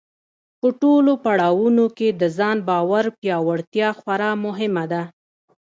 په ټولو پړاوونو کې د ځان باور پیاوړتیا خورا مهمه ده.